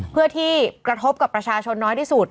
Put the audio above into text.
เพื่อที่กระทบกับประชาชนน้อยที่สุด